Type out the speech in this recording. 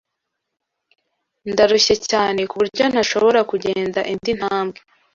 Ndarushye cyane kuburyo ntashobora kugenda indi ntambwe.